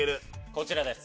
こちらです。